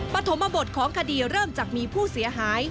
ปฐมบทของคดีเริ่มจากมีผู้เสียหาย